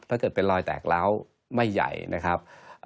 ถ้าเกิดเป็นรอยแตกร้าวไม่ใหญ่นะครับ